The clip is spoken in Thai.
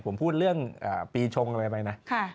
ผมพูดเรื่องปีชงไปนะ